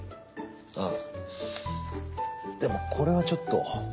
あっでもこれはちょっと。